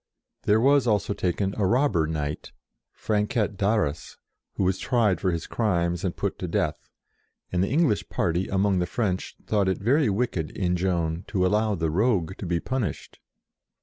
There was also taken a robber knight, Franquet d'Arras, who was tried for his crimes and put to death, and the English party among the French thought it very wicked in Joan to allow the rogue to be punished.